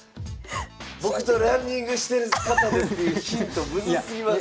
僕とランニングしてる方ですっていうヒントムズすぎます。